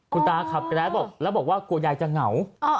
คุณตาขับแกรสบอกแล้วบอกว่ากลัวยายจะเหงา